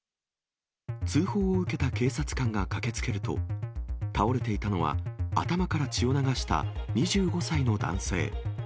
通報を受けた警察官が駆けつけると、倒れていたのは、頭から血を流した２５歳の男性。